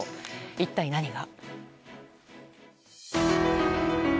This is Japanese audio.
一体、何が。